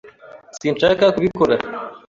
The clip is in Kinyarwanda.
Sinshaka kubikora.